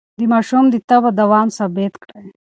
د ماشوم د تبه دوام ثبت کړئ.